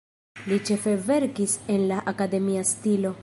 Li ĉefe verkis en la akademia stilo.